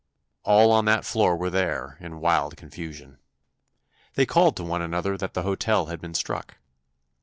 All on that floor were there, in wild confusion. They called to one another that the hotel had been struck.